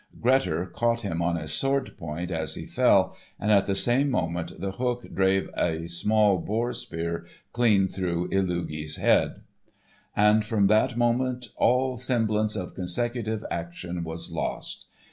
Grettir caught him on his sword point as he fell, and at the same moment The Hook drave a small boar spear clean through Illugi's head. And from that moment all semblance of consecutive action was lost.